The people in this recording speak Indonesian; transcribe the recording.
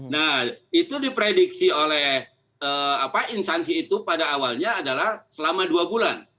nah itu diprediksi oleh instansi itu pada awalnya adalah selama dua bulan